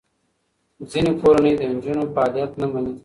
ځینې کورنۍ د نجونو فعالیت نه مني.